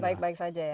baik baik saja ya